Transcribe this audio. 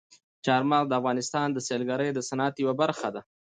چار مغز د افغانستان د سیلګرۍ د صنعت یوه برخه ده.